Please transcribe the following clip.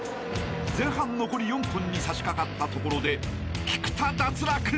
［前半残り４分にさしかかったところで菊田脱落］